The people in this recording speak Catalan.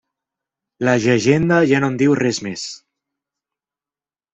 La llegenda ja no en diu res més.